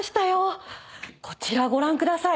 こちらご覧ください。